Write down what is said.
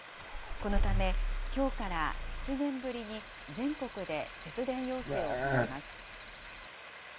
このため、きょうから７年ぶりに全国で節電要請を行います。